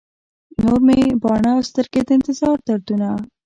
نور مې باڼه او سترګي، د انتظار دردونه